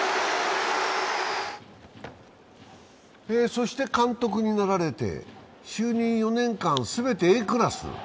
そして監督になられて就任４年間すべてＡクラス。